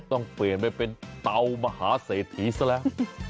ต้องเปลี่ยนไปเป็นเตามหาเศรษฐีซะแล้ว